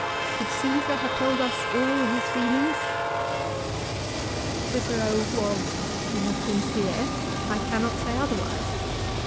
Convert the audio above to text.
Could Caesar have told us all his feelings? Cicero was insincere. I cannot say otherwise.